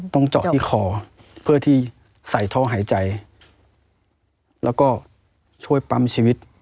ต้องเจาะที่คอเพื่อที่ใส่ท่อหายใจแล้วก็ช่วยปั๊มชีวิต